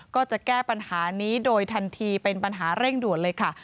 ก็จะแก้ปัญหานี้โดยทันทีเป็นปัญหาเร่งด่วนเลยค่ะ